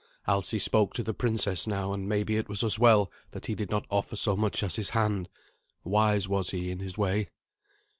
Alsi spoke to the princess now, and maybe it was as well that he did not offer so much as his hand. Wise was he in his way.